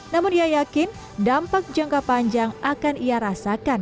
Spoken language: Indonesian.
namun ia yakin dampak jangka panjang akan ia rasakan